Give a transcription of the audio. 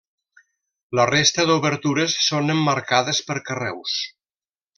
La resta d'obertures són emmarcades per carreus.